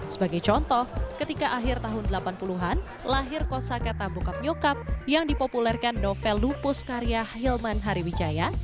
sebagai contoh ketika akhir tahun delapan puluh an lahir kosa kata buka yang dipopulerkan novel lupus karya hilman hariwijaya